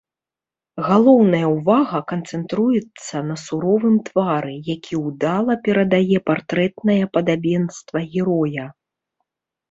Галоўная ўвага канцэнтруецца на суровым твары, які ўдала перадае партрэтнае падабенства героя.